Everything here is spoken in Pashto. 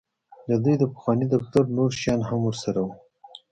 د دوی د پخواني دفتر نور شیان هم ورسره وو